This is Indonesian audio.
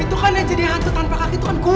itu kan yang jadi hantu tanpa kaki itu kan gua